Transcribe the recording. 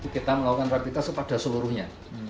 kita melakukan rapi tes pada seluruhnya